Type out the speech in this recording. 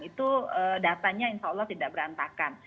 itu datanya insya allah tidak berantakan